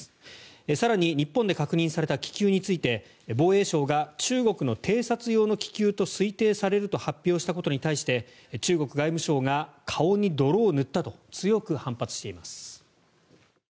更に、日本で確認された気球について防衛省が中国の偵察用の気球と推定されると発表したことに対して中国外務省が顔に泥を塗ったと強く反発しています。